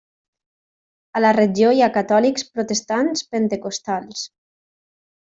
A la regió hi ha catòlics, protestants, pentecostals.